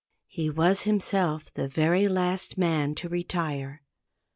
He was himself the very last man to retire.